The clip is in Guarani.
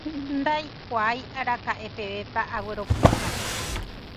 ndaikuaái araka'epevépa agueropu'akáta